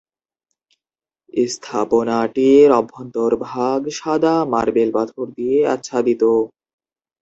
স্থাপনাটির অভ্যন্তর ভাগ সাদা মার্বেল পাথর দিয়ে আচ্ছাদিত।